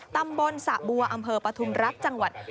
ตำบลสะบัวอำเภอปฐุมรักษ์จังหวัด